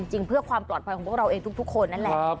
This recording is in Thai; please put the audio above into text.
จริงเพื่อความปลอดภัยของเราเองทุกคน